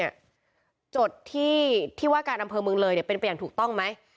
เป็นสุดท้ายที่เป็นอัมเภอเมืองไลล์เป็นประแณถูกต้องมั้ย